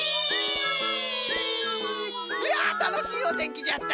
いやたのしいおてんきじゃった。